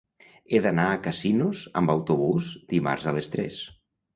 He d'anar a Casinos amb autobús dimarts a les tres.